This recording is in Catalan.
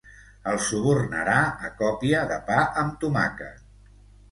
El subornarà a còpia de pa amb tomàquet.